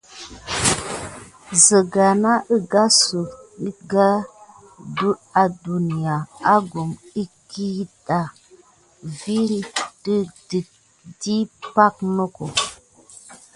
Siga na kedasok kiga aduya akum kida vune de tite diy ba nok.